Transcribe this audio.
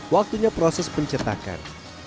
waktunya proses pencetakan